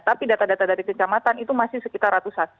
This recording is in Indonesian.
tapi data data dari kecamatan itu masih sekitar ratusan